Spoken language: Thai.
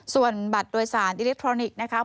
ส่วนบัตรโดยสารอิเล็กทรอนิกส์นะครับ